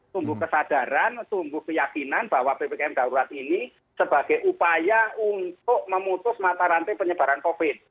tumbuh kesadaran tumbuh keyakinan bahwa ppkm darurat ini sebagai upaya untuk memutus mata rantai penyebaran covid